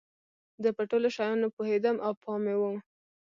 زه په ټولو شیانو پوهیدم او پام مې و.